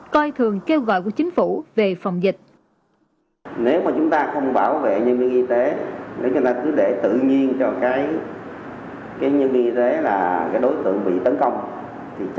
coi thường kêu gọi của chính phủ về phòng dịch